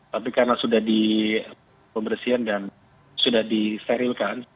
tapi karena sudah dipembersihan dan sudah disterilkan